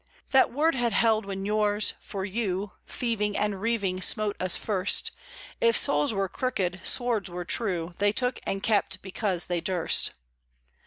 That word had held when yours, for you, Thieving and reaving smote us first: If souls were crooked, swords were true; They took and kept because they durst.